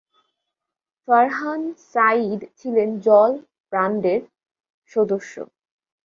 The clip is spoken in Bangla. ফারহান সাঈদ ছিলেন "জল" ব্যান্ডের সদস্য।